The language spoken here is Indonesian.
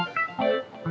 aduh aku bisa